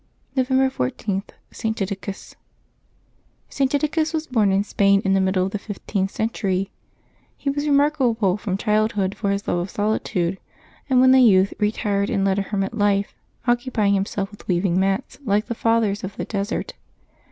November 14.— ST. DIDACUS. [t. Didacus was born in Spain, in the middle of the fifteenth century. He was remarkable from child hood for his love of solitude, and when a youth retired and led a hermit life, occupying himself with weaving mats, like the fathers of the desert.